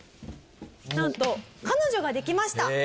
なんと彼女ができました。